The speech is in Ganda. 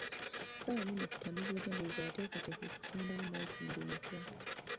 Ssabaminisita n'obwegendereza yateekateeka okutondawo nayikondo empya.